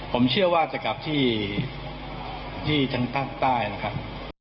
ผมเชื่อว่าจะกลับที่ทางภาคใต้นะครับ